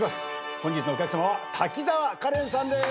本日のお客さまは滝沢カレンさんです。